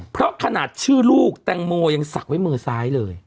เพราะขนาดชื่อลูกแตงโมยังศักดิ์ไว้มือซ้ายเลย